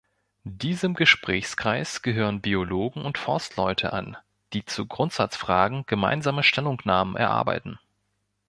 Diesem Gesprächskreis gehören Biologen und Forstleute an, die zu Grundsatzfragen gemeinsame Stellungnahmen erarbeiten.